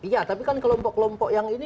iya tapi kan kelompok kelompok yang ini